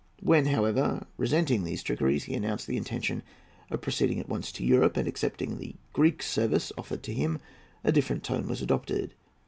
When, however, resenting these trickeries, he announced his intention of proceeding at once to Europe, and accepting the Greek service offered to him, a different tone was adopted.